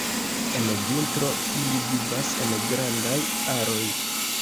En vintro ili vivas en grandaj aroj.